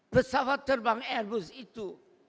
pesawat terbang airbus itu